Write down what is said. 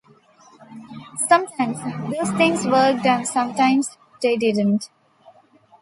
Sometimes those things worked and sometimes they didn't.